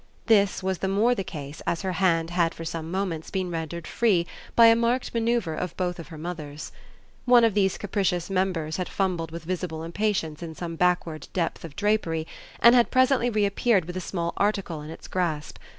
This was the more the case as her hand had for some moments been rendered free by a marked manoeuvre of both of her mother's. One of these capricious members had fumbled with visible impatience in some backward depth of drapery and had presently reappeared with a small article in its grasp.